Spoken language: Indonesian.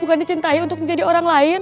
bukan dicintai untuk menjadi orang lain